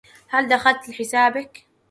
هل دخلت لحسابك؟